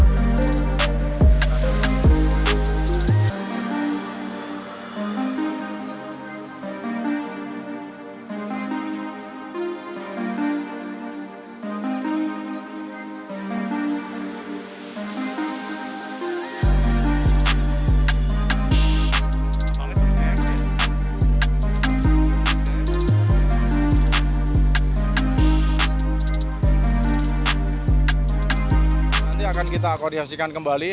nanti akan kita akodiasikan kembali